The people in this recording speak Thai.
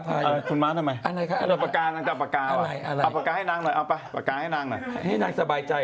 พวกมันก็รืมร้อยนะก็น่ารักดี